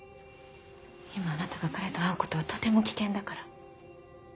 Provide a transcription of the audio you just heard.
今あなたが彼と会うことはとても危険だから。